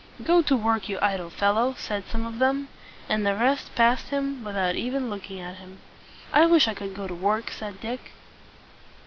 "Go to work, you idle fellow," said some of them; and the rest passed him by without even looking at him. "I wish I could go to work!" said Dick.